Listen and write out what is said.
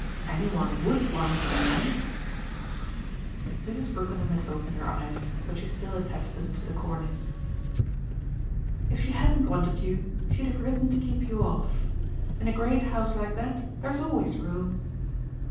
Any one WOULD want me, eh?" Mrs. Brookenham had opened her eyes, but she still attached them to the cornice. "If she hadn't wanted you she'd have written to keep you off. In a great house like that there's always room."